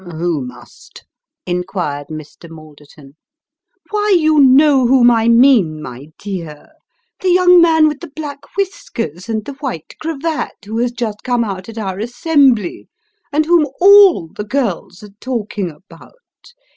" Who must ?" inquired Mr. Malderton. " Why, you know whom I mean, my dear the young man with the black whiskers and the white cravat, who has just come out at our assembly, and whom all the girls are talking about.